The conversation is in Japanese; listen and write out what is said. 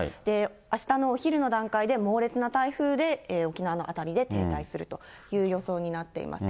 あしたのお昼の段階で、猛烈な台風で、沖縄の辺りで停滞するという予想になっています。